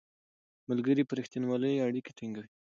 ملګري په رښتینولۍ اړیکې ټینګوي